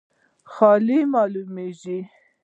خیالي معلومیږي.